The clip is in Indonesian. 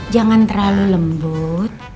jangan terlalu lembut